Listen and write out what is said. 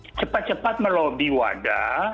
kita cepat cepat melobi wadah